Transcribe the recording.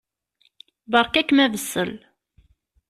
Beṛka-kem abessel.